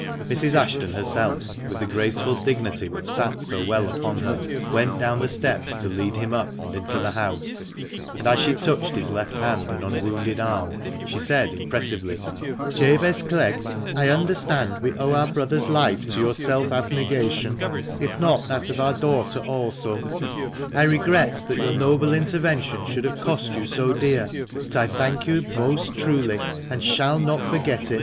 300 TEE MANCHESTER MAM. Mrs. Ashton herseifi with the graceful dignity which sat so well upon her, went down the steps to lead him op and into the boose, and, as she touched his left hand and unwounded arm, sae said impressively, "Jabez Clegg, I understand we owe our brother's life to TOOT self abnegation, if not that of our daughter aba I icgiel that your noble intervention should have cost you so dear; but I thank you most truly, and shall not forget U."